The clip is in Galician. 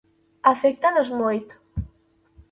Aféctanos moito.